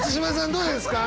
どうですか？